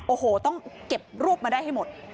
โอ้โหต้องเก็บรวบมาได้ให้หมด